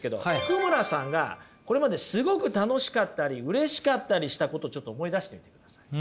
福村さんがこれまですごく楽しかったりうれしかったりしたことちょっと思い出してみてください。